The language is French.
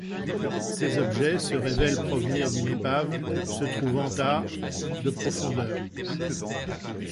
Ces objets se révèlent provenir d'une épave se trouvant à de profondeur.